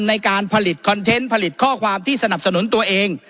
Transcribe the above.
ในการผลิตคอนเทนต์ผลิตข้อความที่สนับสนุนตัวเอง